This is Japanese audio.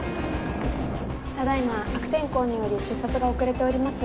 ただ今悪天候により出発が遅れております。